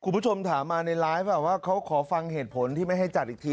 คุณผู้ชมถามมาในไลฟ์ป่ะว่าเขาขอฟังเหตุผลที่ไม่ให้จัดอีกที